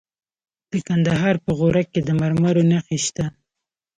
د کندهار په غورک کې د مرمرو نښې شته.